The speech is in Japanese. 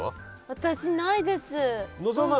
私ないです。